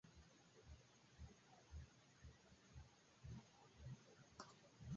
En la hansaj agentejoj komercistoj el la regiono renkontis kolegojn el aliaj regionoj.